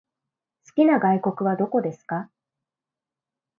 好きな外国はどこですか？